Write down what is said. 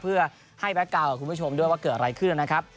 เพื่อให้แบ็คกาวน์กับคุณผู้ชมด้วยว่าเกิดอะไรขึ้นนะครับ